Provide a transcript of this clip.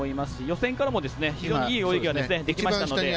予選からも非常にいい泳ぎができましたので。